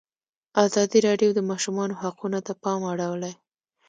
ازادي راډیو د د ماشومانو حقونه ته پام اړولی.